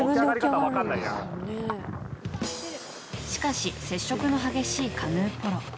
しかし接触の激しいカヌーポロ。